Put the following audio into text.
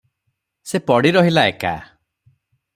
ସେ ପଡ଼ି ରହିଲା ଏକା ।